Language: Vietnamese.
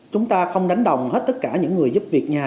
chúng ta không đánh đồng hết tất cả những người giúp việc nhà